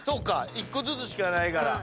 １個ずつしかないから。